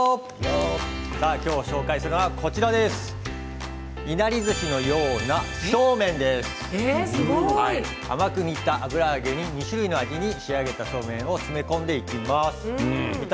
今日、紹介するのはいなりずしのようなすごい。甘く煮た油揚げに２種類の味に仕上げたそうめんを詰め込みました。